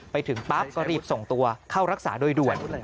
ไปถึงปั๊บก็รีบส่งตัวเข้ารักษาโดยด่วน